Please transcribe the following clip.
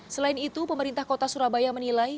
selain itu pemerintah kota surabaya menilai